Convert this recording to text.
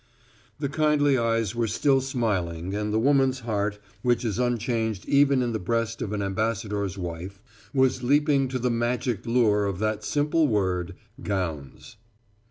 The kindly eyes were still smiling, and the woman's heart, which is unchanged even in the breast of an ambassador's wife, was leaping to the magic lure of that simple word gowns.